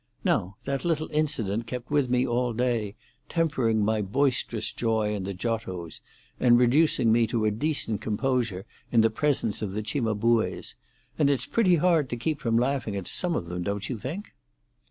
"Now, that little incident kept with me all day, tempering my boisterous joy in the Giottos, and reducing me to a decent composure in the presence of the Cimabues; and it's pretty hard to keep from laughing at some of them, don't you think?"